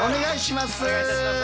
お願いします。